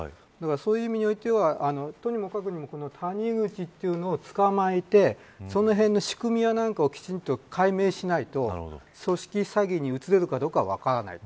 そういう意味においてはとにもかくにも谷口というのを捕まえてその辺の仕組みや何かをきちんと解明しないと組織詐欺に移れるかどうか分からない。